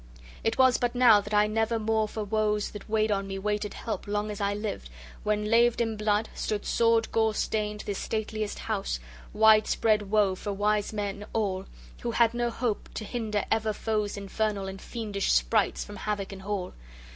It was but now that I never more for woes that weighed on me waited help long as I lived, when, laved in blood, stood sword gore stained this stateliest house, widespread woe for wise men all, who had no hope to hinder ever foes infernal and fiendish sprites from havoc in hall.